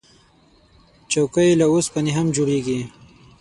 چوکۍ له اوسپنې هم جوړیږي.